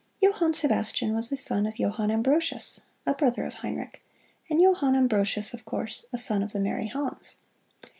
Johann Sebastian was a son of Johann Ambrosius, a brother of Heinrich, and Johann Ambrosius, of course, a son of the merry Hans.